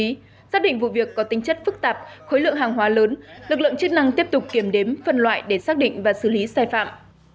cơ quan chức năng xác định vụ việc có tính chất phức tạp khối lượng hàng hóa lớn lực lượng chức năng tiếp tục kiểm đếm phân loại để xác định và xử lý sai phạm